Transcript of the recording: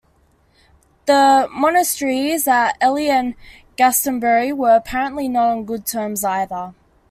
The monasteries at Ely and Glastonbury were apparently not on good terms either.